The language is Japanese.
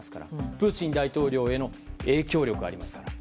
プーチン大統領への影響力があります。